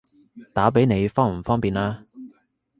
打畀你方唔方便啊？